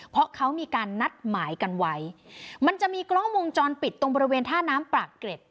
เพราะเขามีการนัดหมายกันไว้มันจะมีกล้องวงจรปิดตรงบริเวณท่าน้ำปากเกร็ด